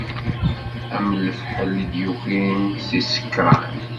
Am lefḥel i d-yukin si ssekṛan.